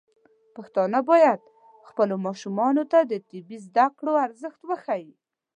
پښتانه بايد خپلو ماشومانو ته د طبي زده کړو ارزښت وښيي.